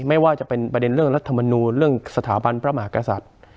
ไม่ว่าจะเป็นประเด็นเรื่องรัฐมนูลเรื่องสถาบันพระมหากษัตริย์